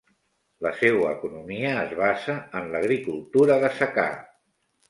La seua economia es basa en l'agricultura de secà.